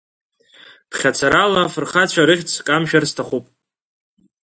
Ԥхьацарала афырхацәа рыхьӡ камшәар сҭахуп.